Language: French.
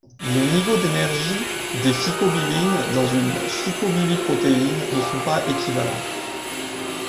Les niveaux d’énergie des phycobilines dans une phycobiliprotéine ne sont pas équivalents.